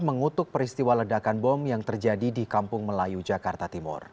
mengutuk peristiwa ledakan bom yang terjadi di kampung melayu jakarta timur